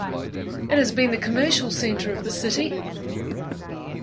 It has been the commercial center of the city.